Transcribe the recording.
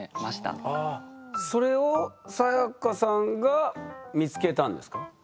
それをサヤカさんが見つけたんですか？